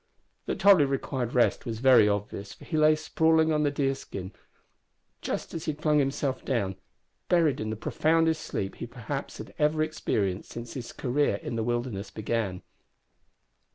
That Tolly required rest was very obvious, for he lay sprawling on the deer skin couch just as he had flung himself down, buried in the profoundest sleep he perhaps ever experienced since his career in the wilderness began.